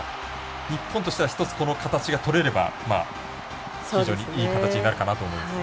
日本としては一つ、この形がとれれば非常にいい形になるかなと思いますね。